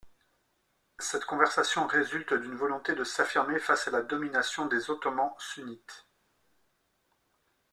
Cette conversion résulte d'une volonté de s'affirmer face à la domination des Ottomans sunnites.